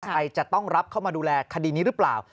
ใครจะต้องรับเข้ามาดูแลคดีนี้หรือเปล่า